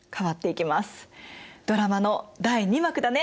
ドラマの第二幕だね。